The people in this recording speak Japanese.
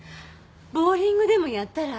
ボウリングでもやったら？